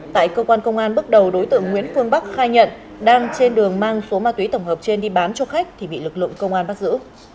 tại cơ quan công an bước đầu đối tượng nguyễn phương bắc khai nhận đang trên đường mang số ma túy tổng hợp trên đi bán cho khách thì bị lực lượng công an bắt giữ